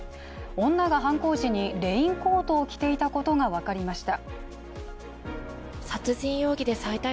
女が犯行時にレインコートを着ていたことが分かりました。